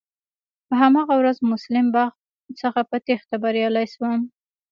په هماغه ورځ مسلم باغ څخه په تېښته بريالی شوم.